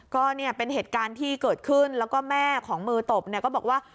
ก็เนี่ยเป็นเหตุการณ์ที่เกิดขึ้นแล้วก็แม่ของมือตบเนี่ยก็บอกว่า